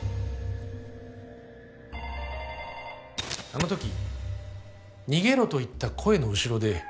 ☎あのとき逃げろと言った声の後ろで。